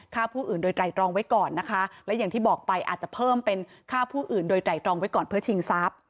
ฆ่าผู้อื่นโดยไตรตรองไว้ก่อนนะคะและอย่างที่บอกไปอาจจะเพิ่มเป็นฆ่าผู้อื่นโดยไตรตรองไว้ก่อนเพื่อชิงทรัพย์